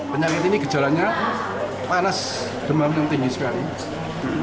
penyakit ini gejalanya panas demam yang tinggi sekali